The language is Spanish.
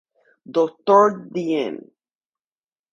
Dr. Dn.